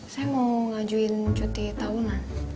saya mau ngajuin cuti tahunan